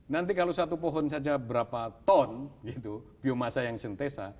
nanti kalau satu pohon saja berapa ton biomasa yang sentesa